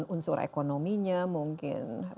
unsur ekonominya mungkin